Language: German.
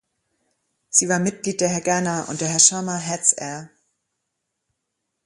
Sie war Mitglied der Hagana und der Hashomer Hatzair.